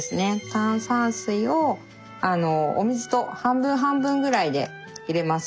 炭酸水をお水と半分半分ぐらいで入れます。